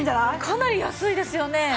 かなり安いですよね。